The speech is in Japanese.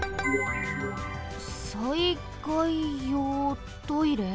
「災害用トイレ」？